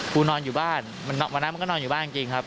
นอนอยู่บ้านมะนามันก็นอนอยู่บ้านจริงครับ